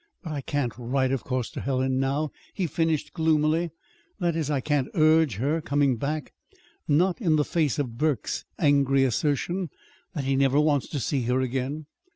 "But I can't write, of course, to Helen, now," he finished gloomily. "That is, I can't urge her coming back not in the face of Burke's angry assertion that he never wants to see her again."